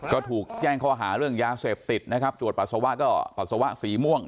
ก็ถูกแจ้งเขาหาเรื่องยาเสพติดจวดปราสวะก็ปราสวะสีม่วง